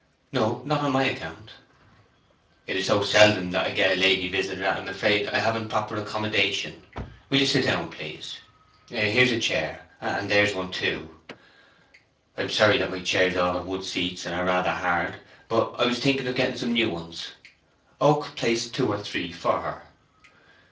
"No; not on my account." "It is so seldom that I get a lady visitor that I'm afraid I haven't proper accommodation. Will you sit down, please? Here's a chair, and there's one, too. I am sorry that my chairs all have wood seats, and are rather hard, but I—was thinking of getting some new ones." Oak placed two or three for her.